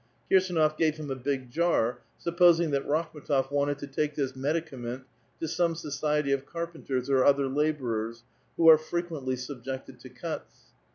Ku sdnof gave him a big jar, supposing that Rakhm^tof wanted to take this medicament to some society of carpenters or other laborers, who are frequently subjected to cuts.